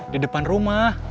di depan rumah